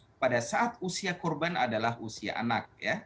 jadi regulasinya terkait pada saat usia korban adalah usia anak